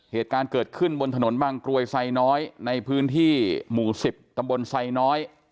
เหตุการณ์เกิดขึ้นบนถนนบางกรวยไซน้อยในพื้นที่หมู่๑๐ตำบลไซน้อย